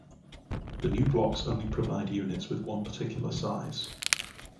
The new blocks only provide units with one particular size.